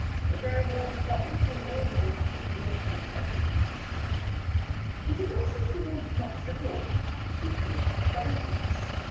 But there was but little audible articulation on the other's part. He seemed not to want much support chiefly guidance.